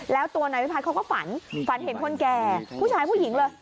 แล้วตัวนายวิพัฒน์เขาก็ฝันฝันเห็นคนแก่ผู้ชายผู้หญิงเลย